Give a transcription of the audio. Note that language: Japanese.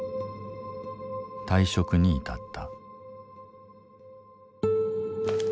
退職に至った。